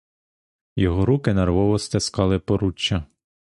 Його руки нервово стискали поруччя.